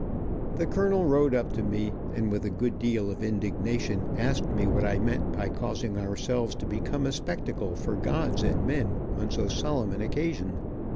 The colonel rode up to me, and with a good deal of indignation, asked me what I. meant by causing ourselves to become a spectacle for gods and men on so solemn an occasion.